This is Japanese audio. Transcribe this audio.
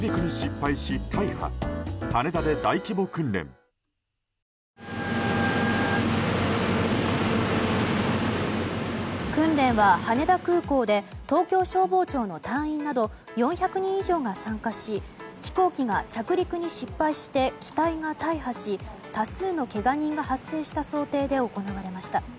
訓練は羽田空港で東京消防庁の隊員など４００人以上が参加し飛行機が着陸に失敗して機体が大破し多数のけが人が発生した想定で行われました。